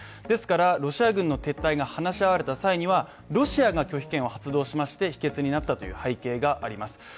ですから、ロシア軍の撤退が話し合われた際はロシアが拒否権を出しまして否決になったという背景があります。